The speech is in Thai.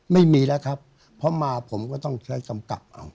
ไม่มีแล้วครับเพราะมาผมก็ต้องใช้กำกับเอา